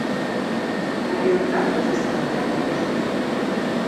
Mu byonna kozesanga amagezi.